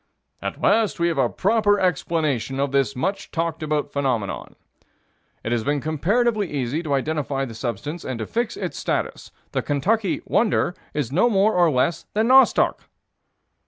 "At last we have a proper explanation of this much talked of phenomenon." "It has been comparatively easy to identify the substance and to fix its status. The Kentucky 'wonder' is no more or less than nostoc."